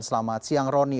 selamat siang roni